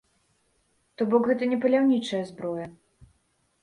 То бок гэта не паляўнічая зброя.